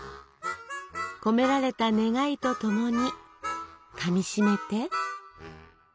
込められた願いと共にかみしめて！